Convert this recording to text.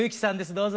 どうぞ。